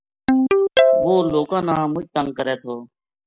وہ لوکاں نا مچ تنگ کرے تھو